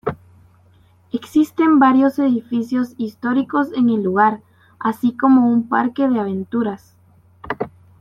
Existen varios edificios históricos en el lugar, así como un parque de aventuras.